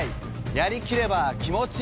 やりきれば気持ちいい。